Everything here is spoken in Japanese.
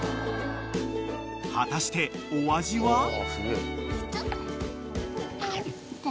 ［果たしてお味は？］